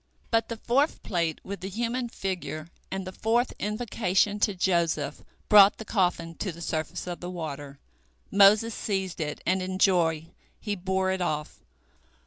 But the fourth plate with the human figure and the fourth invocation to Joseph brought the coffin to the surface of the water. Moses seized it, and in joy he bore it off.